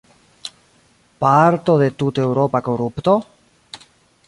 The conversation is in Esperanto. Parto de tuteŭropa korupto?